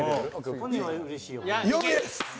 本人はうれしいよね。